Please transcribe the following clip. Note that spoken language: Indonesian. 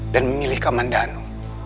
dan memilih kamandanu